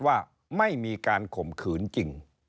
ว่าไม่มีการข่มขืนจริง